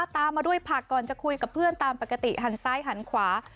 ตามมาด้วยผักก่อนจะคุยกับเพื่อนตามปกติหันซ้ายหันขวา